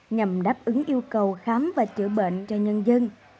nhằm đáp ứng yêu cầu khám và chữa bệnh cho nhân dân